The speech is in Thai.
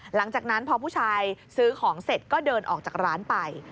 หลังจากนั้นพอผู้ชายซื้อของเสร็จก็เดินออกจากร้านไป